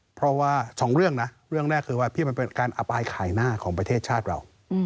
เพราะว่าสองเรื่องนะเรื่องแรกคือว่าพี่มันเป็นการอปอายขายหน้าของประเทศชาติเรา